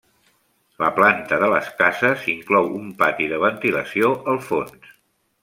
La planta de les cases inclou un pati de ventilació al fons.